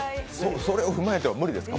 それを踏まえては無理ですか。